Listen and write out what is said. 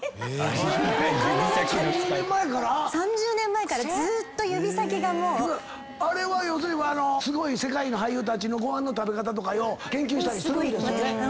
３０年前から⁉３０年前からずーっと指先が。あれは要するにすごい世界の俳優たちのご飯の食べ方研究したりするんです。